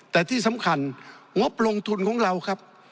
แต่ที่สำคัญงบลงทุนของเราครับ